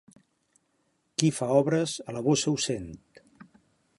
Qui fa obres a la bossa ho sent.